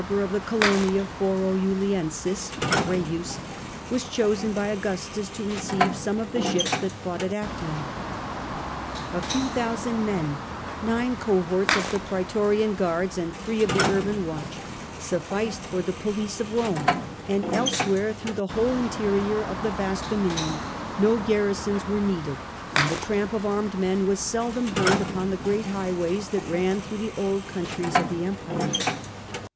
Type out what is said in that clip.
hour of the Colonia Forojuliensis (Fr^jus) was chosen by Augustus to receive some of the ships that fought at Actium. A few thousand men, nine cohorts of the praetorian guards, and three of the urban watch sufficed for the police of Rome ; and elsewhere through the whole interior of the vast dominion no garrisons were needed, and the tramp of armed men was seldom heard upon the great highways that ran through the old countries of the Empire.